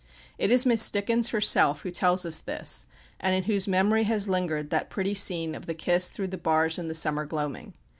It is Miss Dickens herself who tells us this, and in whose memory has lingered that pretty scene of the kiss through the bars in the summer gloaming.